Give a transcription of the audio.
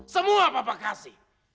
semua bapak kasih